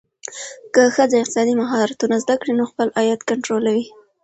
که ښځه اقتصادي مهارتونه زده کړي، نو خپل عاید کنټرولوي.